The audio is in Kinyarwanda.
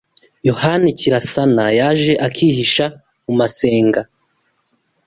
Yabona Kirasana yaje akihisha mu masenga